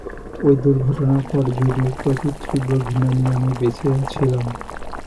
ঐ দুর্ঘটনার পর জুডির প্রতি তীব্র ঘৃণা নিয়ে আমি বেঁচে ছিলাম।